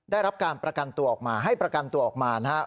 ได้รับการประกันตัวออกมาให้ประกันตัวออกมานะครับ